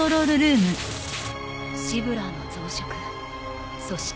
シブラーの増殖そして進化。